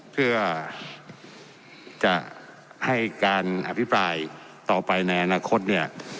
เพื่อจะให้การอภิปรายต่อไปในอนาคตเนี่ย